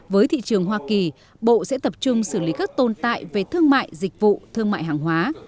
với thị trường hoa kỳ bộ sẽ tập trung xử lý các tồn tại về thương mại dịch vụ thương mại hàng hóa